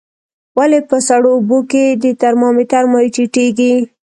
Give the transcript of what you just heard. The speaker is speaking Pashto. ولې په سړو اوبو کې د ترمامتر مایع ټیټیږي؟